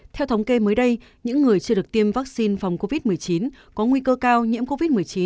theo thống kê mới đây những người chưa được tiêm vaccine phòng covid một mươi chín có nguy cơ cao nhiễm covid một mươi chín